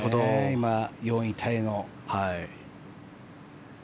今、４位タイの。